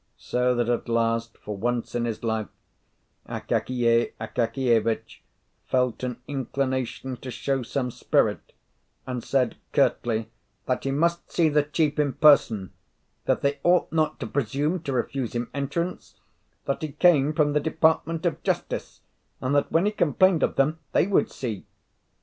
So that at last, for once in his life, Akakiy Akakievitch felt an inclination to show some spirit, and said curtly that he must see the chief in person; that they ought not to presume to refuse him entrance; that he came from the department of justice, and that when he complained of them, they would see.